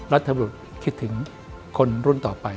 รัฐบุรุษคิดถึงคนรุ่นต่อไป